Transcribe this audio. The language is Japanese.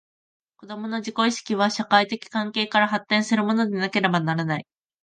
子供の自己意識は、社会的関係から発展するものでなければならない。